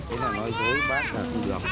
thế là nói dối bác là không được